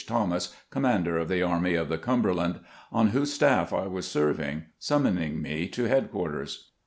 Thomas, Commander of the Army of the Cumber land, on whose staff I was serving, summoning me to headquarters.